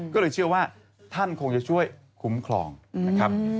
ก็เลยเชื่อว่าท่านคงจะช่วยคุ้มครองนะครับ